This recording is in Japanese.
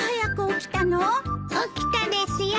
起きたですよ。